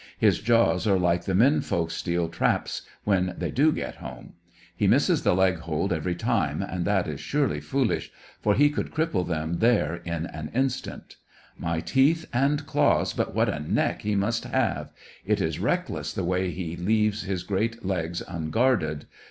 His jaws are like the men folk's steel traps, when they do get home. He misses the leg hold every time, and that is surely foolish, for he could cripple them there in an instant. My teeth and claws! but what a neck he must have! It is reckless the way he leaves his great legs unguarded.